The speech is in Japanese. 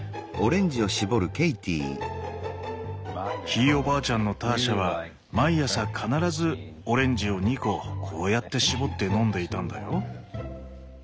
ひいおばあちゃんのターシャは毎朝必ずオレンジを２個こうやって搾って飲んでいたんだよ。